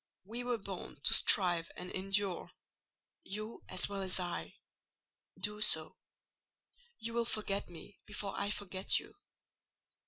We were born to strive and endure—you as well as I: do so. You will forget me before I forget you."